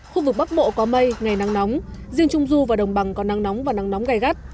khu vực bắc bộ có mây ngày nắng nóng riêng trung du và đồng bằng có nắng nóng và nắng nóng gai gắt